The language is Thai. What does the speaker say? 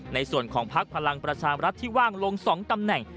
ในส่วนของพักพลังประชามรัฐที่ว่างลง๒ตำแหน่ง